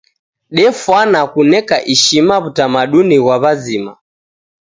Defwana kuneka ishima w'utamaduni ghwa w'azima.